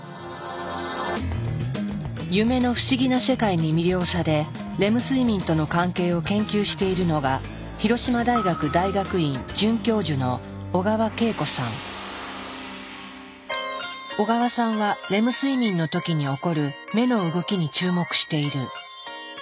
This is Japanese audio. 夢の不思議な世界に魅了されレム睡眠との関係を研究しているのが小川さんはレム睡眠の時に起こる目の動きに注目している。